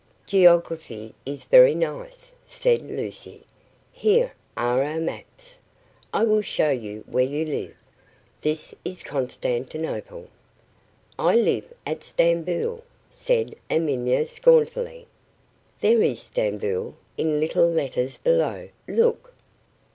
"Geography is very nice," said Lucy; "here are our maps. I will show you where you live. This is Constantinople." "I live at Stamboul," said Amina, scornfully. "There is Stamboul in little letters below look."